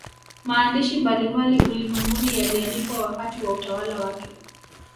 Maandishi mbalimbali ulimwenguni yaliandikwa wakati wa utawala wake